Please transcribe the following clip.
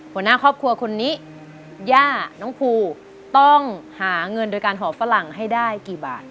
หัวหน้าครอบครัวคนนี้ย่าน้องภูต้องหาเงินโดยการหอฝรั่งให้ได้กี่บาท